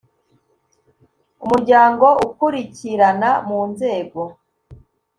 Umuryango Ukurikirana Mu Nzego